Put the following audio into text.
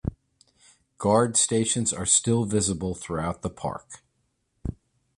Guard stations are still visible throughout the park.